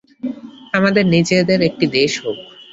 আমাদের নিজেদের একটি দেশ হোক।